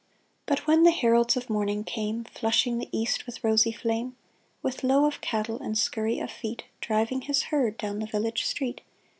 But when the heralds of morning came, Flushing the east with rosy flame, With low of cattle and scurry of feet, Driving his herd down the village street.